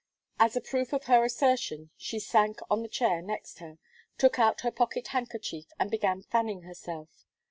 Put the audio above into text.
As a proof of her assertion, she sank on the chair next her, took out her pocket handkerchief, and began fanning herself.